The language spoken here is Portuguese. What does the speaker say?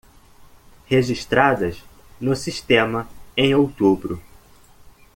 registradas no sistema em outubro.